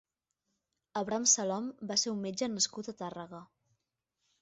Abram Salom va ser un metge nascut a Tàrrega.